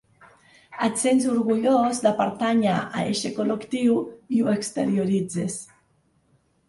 Et sents orgullós de pertànyer a eixe col·lectiu i ho exterioritzes.